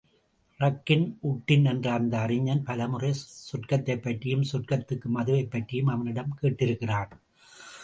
ரக்கின் உட்டின் என்ற அந்த அறிஞன் பலமுறை சொர்க்கத்தைப் பற்றியும் சொர்க்கத்து மதுவைப் பற்றியும் அவனிடம் கேட்டிருக்கிறான்.